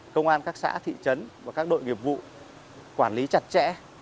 công an các xã thị trấn và các đội nghiệp vụ quản lý chặt chẽ